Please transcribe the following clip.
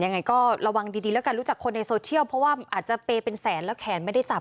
ยังไงก็ระวังดีแล้วกันรู้จักคนในโซเชียลเพราะว่าอาจจะเปย์เป็นแสนแล้วแขนไม่ได้จับ